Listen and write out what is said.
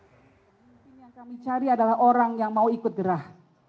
pemimpin yang kami cari adalah orang yang mau ikut gerah